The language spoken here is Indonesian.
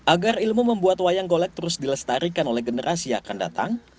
agar ilmu membuat wayang golek terus dilestarikan oleh generasi yang akan datang